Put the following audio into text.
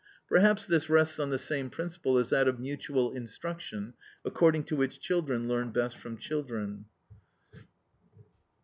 Perhaps this rests on the same principle as that of mutual instruction, according to which children learn best from children.